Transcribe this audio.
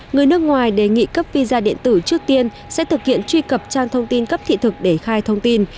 người nước ngoài đề nghị cấp visa điện tử trước tiên sẽ thực hiện truy cập trang thông tin cấp thị thực để khai thông tin